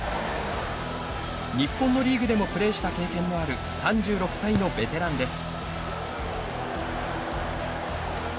日本のリーグでもプレーした経験のある３６歳のベテランです。